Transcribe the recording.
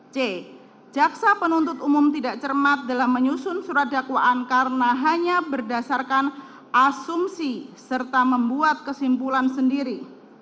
c jaksa penuntut umum tidak cermat dalam menyusun surat dakwaan karena hanya berdasarkan asumsi serta membuat kesimpulan sendiri